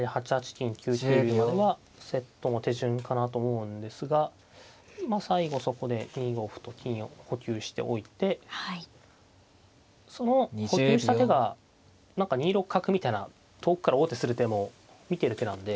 金９九竜まではセットの手順かなと思うんですが最後そこで２五歩と金を補給しておいてその補給した手が何か２六角みたいな遠くから王手する手も見てる手なんで。